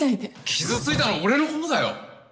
傷ついたのは俺の方だよ！